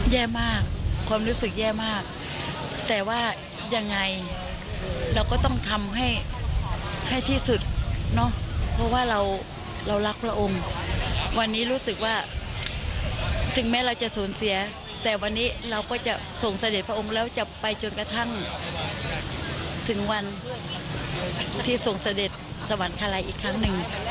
แย่มากความรู้สึกแย่มากแต่ว่ายังไงเราก็ต้องทำให้ให้ที่สุดเนาะเพราะว่าเราเรารักพระองค์วันนี้รู้สึกว่าถึงแม้เราจะสูญเสียแต่วันนี้เราก็จะส่งเสด็จพระองค์แล้วจะไปจนกระทั่งถึงวันที่ส่งเสด็จสวรรคาลัยอีกครั้งหนึ่ง